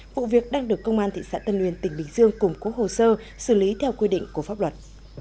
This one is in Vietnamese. vụ việc đang được công an thị xã tân nguyên tỉnh bình dương cùng cố hồ sơ xử lý theo quy định của pháp luật